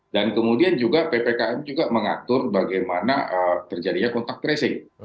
dan kemudian juga ppkm juga mengatur bagaimana terjadinya contact tracing